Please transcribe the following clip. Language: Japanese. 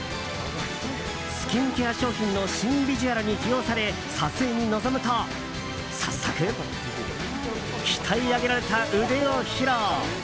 スキンケア商品の新ビジュアルに起用され撮影に臨むと早速鍛え上げられた腕を披露！